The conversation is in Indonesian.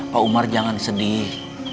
pak umar jangan sedih